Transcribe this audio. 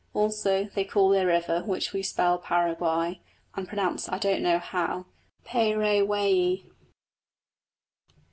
Also they call their river, which we spell Paraguay, and pronounce I don't know how, Pä rä wä eé.